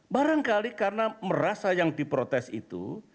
barangkali karena merasa yang diprotes itu